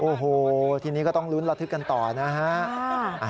โอ้โหทีนี้ก็ต้องลุ้นระทึกกันต่อนะฮะ